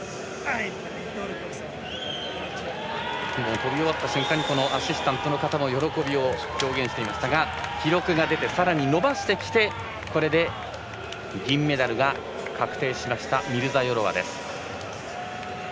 跳び終わった瞬間にアシスタントの方が喜びを表現していましたが記録が出て、さらに伸ばしてきてこれで銀メダルが確定しましたミルザヨロワです。